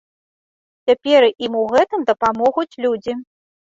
Цяпер ім у гэтым дапамогуць людзі.